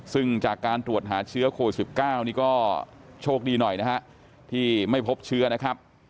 ซึ่งจากการตรวจหาเชื้อโควิด๑๙นี่ก็โชคดีหน่อยนะฮะที่ไม่พบเชื้อนะครับ